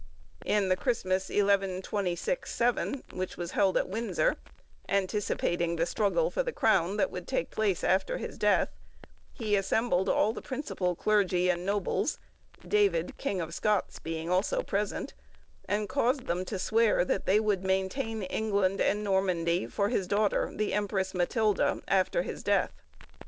In the Christmas 1126 7, which was held at Windsor, anticipating the struggle for the crown that would take place after his death, he assembled all the principal clergy and nobles (David, king of Scots, being also present), and caused them to swear that they would maintain England and Normandy for his daughter, the Empress Matilda, after his death.